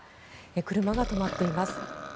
車が止まっています。